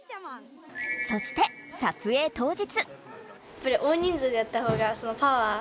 そして撮影当日。